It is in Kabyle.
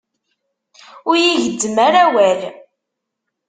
Ur yi-gezzmem ara awal.